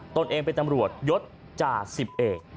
ตนเองเป็นตำรวจยศจ่าสิบเอก